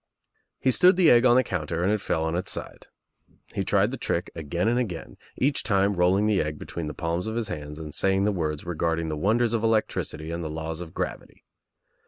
He stood the egg on the counter and it fell on its side. He tried the trick again and again, each time rolling the egg between the palms of his hands and saying the words regarding the wonders of electricity and the laws of gravity.